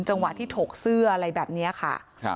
จังหวะที่ถกเสื้ออะไรแบบนี้ค่ะ